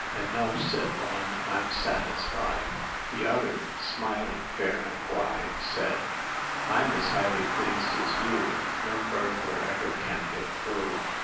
"Enough," said one: "I'm satisfied." The other, smiling fair and wide, Said: "I'm as highly pleased as you: No burglar ever can get through.